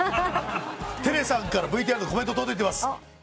ＴｅｌｅさんからＶＴＲのコメント届いてます。